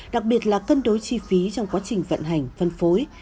đặc biệt là cân đối chi phí trong quá trình vận hành phân phối